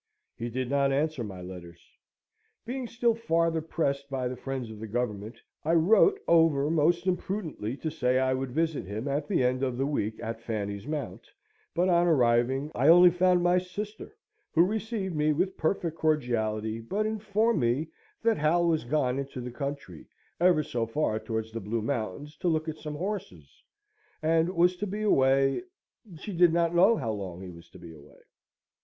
He did not answer my letters. Being still farther pressed by the friends of the Government, I wrote over most imprudently to say I would visit him at the end of the week at Fanny's Mount; but on arriving, I only found my sister, who received me with perfect cordiality, but informed me that Hal was gone into the country, ever so far towards the Blue Mountains to look at some horses, and was to be away she did not know how long he was to be away!